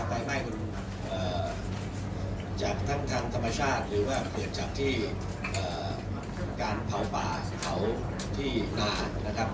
ไฟไหม้จากทางธรรมชาติหรือว่าเกิดจากที่การเผาป่าเผาที่นาฬ